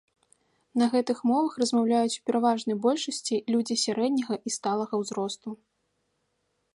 На гэтых мовах размаўляюць у пераважнай большасці людзі сярэдняга і сталага ўзросту.